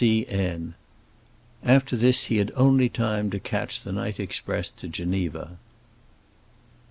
C. N." After this he had only time to catch the night express to Geneva.